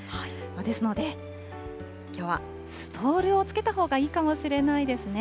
ですので、きょうはストールをつけたほうがいいかもしれないですね。